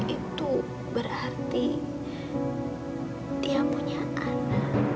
itu berarti dia punya anak